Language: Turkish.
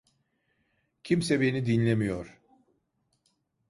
Kimse beni dinlemiyor.